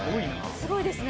すごいですね。